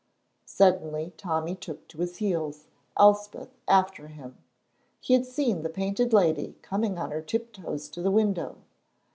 Suddenly Tommy took to his heels, Elspeth after him. He had seen the Painted Lady coming on her tip toes to the window.